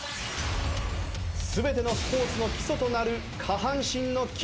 全てのスポーツの基礎となる下半身の筋肉。